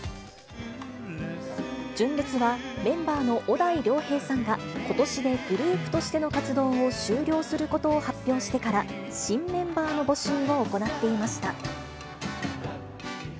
純烈はメンバーの小田井涼平さんが、ことしでグループとしての活動を終了することを発表してから、新メンバーの募集を行っていました。